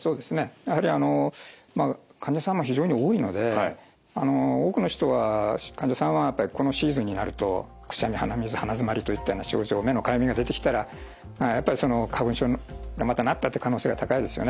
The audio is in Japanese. やはりあの患者さんも非常に多いので多くの人が患者さんはこのシーズンになるとくしゃみ鼻水鼻詰まりといったような症状目のかゆみが出てきたらやっぱりその花粉症またなったという可能性が高いですよね。